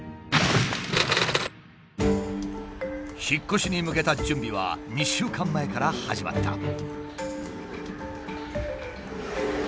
引っ越しに向けた準備は２週間前から始まった。